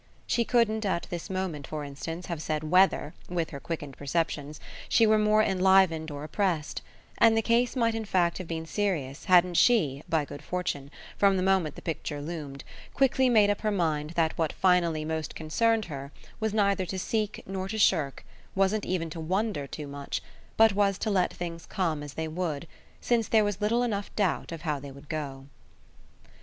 She couldn't at this moment for instance have said whether, with her quickened perceptions, she were more enlivened or oppressed; and the case might in fact have been serious hadn't she, by good fortune, from the moment the picture loomed, quickly made up her mind that what finally most concerned her was neither to seek nor to shirk, wasn't even to wonder too much, but was to let things come as they would, since there was little enough doubt of how they would go.